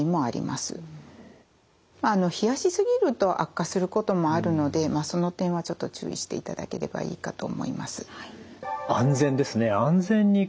まああの冷やしすぎると悪化することもあるのでその点はちょっと注意していただければいいかと思います。